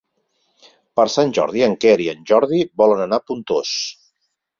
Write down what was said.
Per Sant Jordi en Quer i en Jordi volen anar a Pontós.